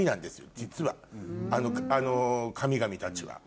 実はあの神々たちは。